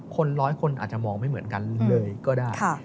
คนร้อยคนอาจจะมองไม่เหมือนกันเลยก็ได้